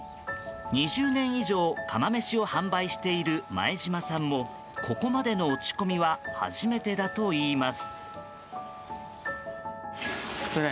２０年以上釜めしを販売している前島さんもここまでの落ち込みは初めてだといいます。